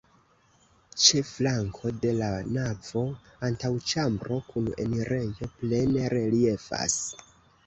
Ĉe flanko de la navo antaŭĉambro kun enirejo plene reliefas.